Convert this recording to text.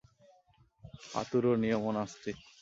আতুরে নিয়মো নাস্তি।